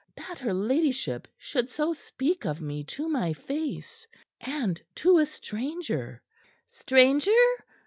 That her ladyship should so speak of me to my face and to a stranger!" "Stranger!"